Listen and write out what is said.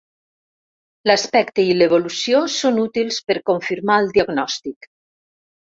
L'aspecte i l'evolució són útils per confirmar el diagnòstic.